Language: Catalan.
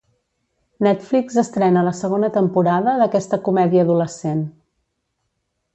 Netflix estrena la segona temporada d'aquesta comèdia adolescent